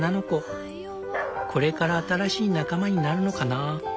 これから新しい仲間になるのかな。